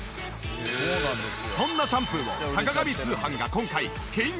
そんなシャンプーを『坂上通販』が今回緊急確保！